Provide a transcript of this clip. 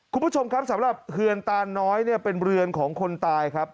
คุณผู้ชมครับสำหรับเฮือนตานน้อยเนี่ยเป็นเรือนของคนตายครับ